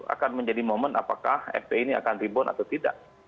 dua ribu satu akan menjadi momen apakah fpi ini akan rebound atau tidak